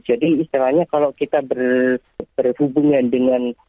jadi istilahnya kalau kita berhubungan dengan